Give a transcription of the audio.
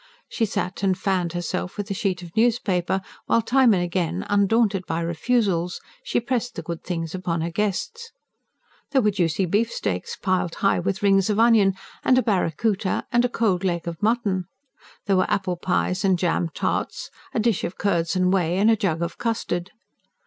She sat and fanned herself with a sheet of newspaper while, time and again, undaunted by refusals, she pressed the good things upon her guests. There were juicy beefsteaks piled high with rings of onion, and a barracoota, and a cold leg of mutton. There were apple pies and jam tarts, a dish of curds and whey and a jug of custard.